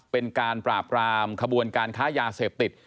เป็นการปราบรามขบวนการค้ายาเสพติด